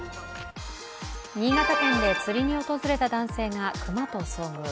新潟県で釣りに訪れた男性が熊と遭遇。